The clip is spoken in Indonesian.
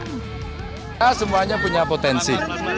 kita semuanya punya potensi